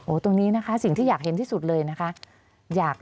ตรงนี้นะคะสิ่งที่อยากเห็นที่สุดเลยนะคะ